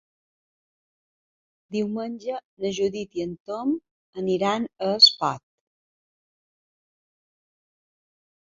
Diumenge na Judit i en Tom iran a Espot.